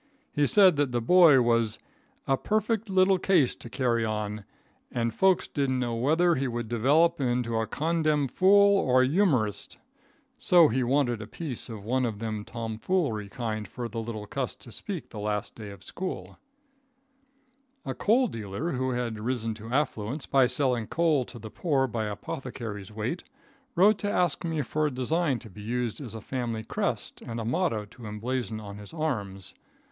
He said that the boy was "a perfect little case to carry on and folks didn't know whether he would develop into a condemb fool or a youmerist." So he wanted a piece of one of them tomfoolery kind for the little cuss to speak the last day of school. [Illustration: HIS MOTTO.] A coal dealer who had risen to affluence by selling coal to the poor by apothecaries' weight, wrote to ask me for a design to be used as a family crest and a motto to emblazon on his arms.